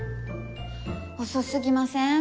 遅すぎません？